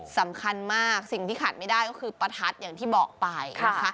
สำคัญมากสิ่งที่ขาดไม่ได้ก็คือประทัดอย่างที่บอกไปนะคะ